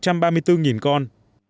phát triển trâu bò trên một con